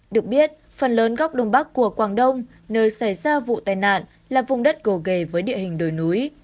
được biết phần lớn góc đông bắc của quảng đông nơi xảy ra vụ tai nạn là vùng đất cổ ghề với địa hình đồi núi